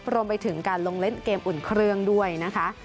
รวมไปถึงการลงเล่นเกมอุ่นเครื่องด้วยนะคะ